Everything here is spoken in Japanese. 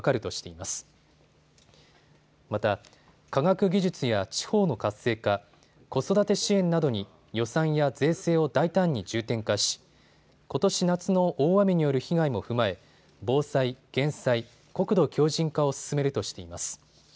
また科学技術や地方の活性化、子育て支援などに予算や税制を大胆に重点化しことし夏の大雨による被害も踏まえ防災・減災、国土強じん化を進めるとしています。